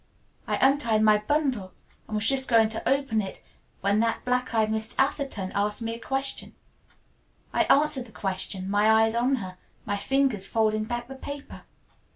I untied my bundle and was just going to open it when that black eyed Miss Atherton asked me a question. I answered the question, my eyes on her, my fingers folding back the paper.